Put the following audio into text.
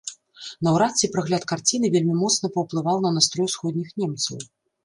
Наўрад ці прагляд карціны вельмі моцна паўплываў на настрой усходніх немцаў.